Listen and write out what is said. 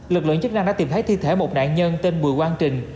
lực lượng chức năng đã tìm thấy thi thể một nạn nhân tên bùi quang trình